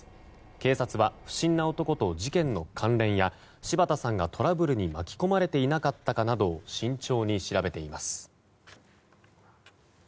警察は不審な男と事件の関連や柴田さんがトラブルに巻き込まれていなかったかなどを慎重に調べています。